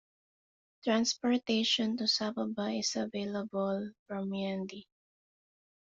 Transportation to Saboba is available from Yendi.